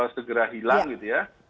segera hilang gitu ya